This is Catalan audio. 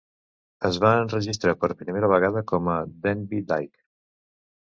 Es va enregistrar per primera vegada com a Denby Dyke.